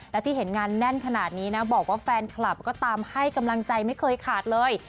และที่เห็นงานแน่นขนาดนี้นะบอกว่าแฟนคลับก็ตามให้กำลังใจไม่เคยขาดเลย